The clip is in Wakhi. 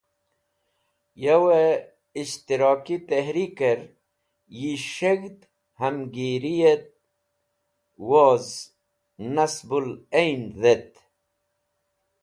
Yawe Ishtirki Tehriker yi S̃heg̃hd Hamagiryet woz Nasbul Ain Dhet.